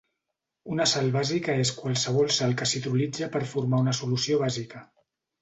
Una sal bàsica és qualsevol sal que s'hidrolitza per formar una solució bàsica.